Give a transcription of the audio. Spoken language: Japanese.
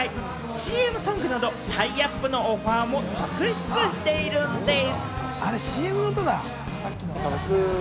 ＣＭソングなど、タイアップのオファーも続出しているんでぃす。